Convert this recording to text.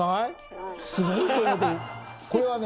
すごいね。